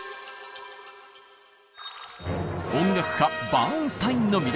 音楽家バーンスタインの魅力。